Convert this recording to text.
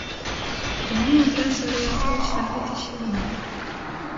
Яны адразу рэагуюць на гэты сігнал.